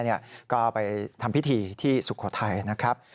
ก็ไปทำพิธีที่สุโขทัยนะครับ